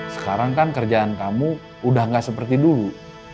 sekarang kan kerjaan kamu udah gak seperti dulu